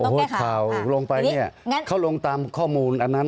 ข่าวลงไปเนี่ยเขาลงตามข้อมูลอันนั้น